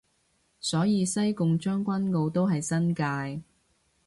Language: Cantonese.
所以西貢將軍澳都係新界